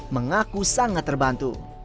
mengaku sangat terbantu